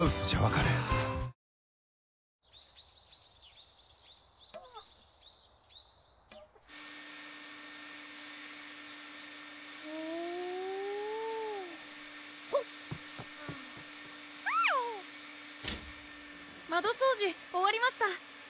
えるぅ窓掃除終わりました！